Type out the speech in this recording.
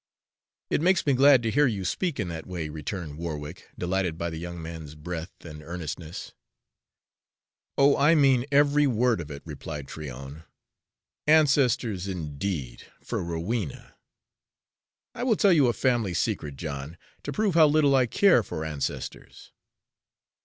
"It makes me glad to hear you speak in that way," returned Warwick, delighted by the young man's breadth and earnestness. "Oh, I mean every word of it," replied Tryon. "Ancestors, indeed, for Rowena! I will tell you a family secret, John, to prove how little I care for ancestors.